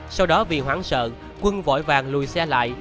sau đó vì hoảng sợ quân vội vàng lùi xe lại